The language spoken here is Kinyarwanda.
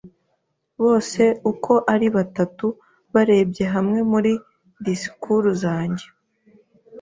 Bose uko ari batatu barebye hamwe muri disikuru zanjye